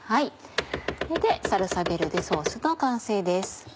これでサルサヴェルデソースの完成です。